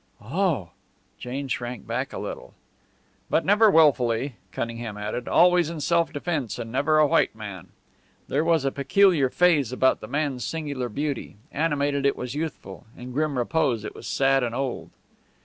"Oh!" Jane shrank back a little. "But never willfully," Cunningham added "always in self defence, and never a white man." There was a peculiar phase about the man's singular beauty. Animated, it was youthful; in grim repose, it was sad and old.